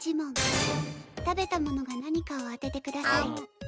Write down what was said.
食べたものが何かを当ててください。